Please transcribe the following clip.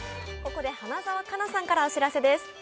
ここで、花澤香菜さんからお知らせです。